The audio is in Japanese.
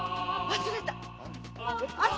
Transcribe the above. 忘れたっ！